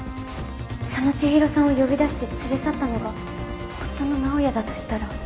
佐野千広さんを呼び出して連れ去ったのが夫の直也だとしたら。